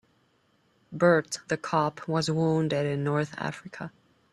Bert the cop was wounded in North Africa.